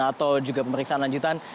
atau juga pemeriksaan lanjutan